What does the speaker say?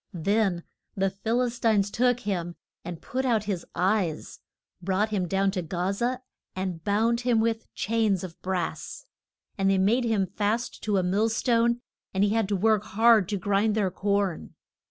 Then the Phil is tines took him and put out his eyes, brought him down to Ga za, and bound him with chains of brass. And they made him fast to a mill stone, and he had to work hard to grind their corn.